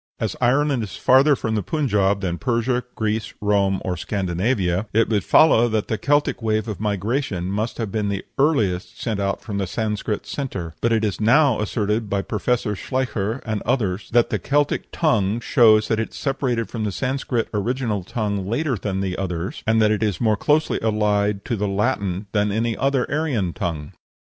As Ireland is farther from the Punjab than Persia, Greece, Rome, or Scandinavia, it would follow that the Celtic wave of migration must have been the earliest sent out from the Sanscrit centre; but it is now asserted by Professor Schleicher and others that the Celtic tongue shows that it separated from the Sanscrit original tongue later than the others, and that it is more closely allied to the Latin than any other Aryan tongue.